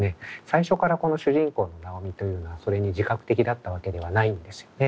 最初からこの主人公の尚美というのはそれに自覚的だったわけではないんですよね。